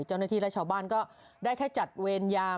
เจ้าหน้าที่และชาวบ้านก็ได้แค่จัดเวรยาม